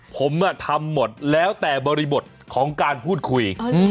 ผมทำหมดแล้วแต่บริบทของการพูดคุย